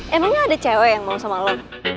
emang gak ada cewek yang mau sama lo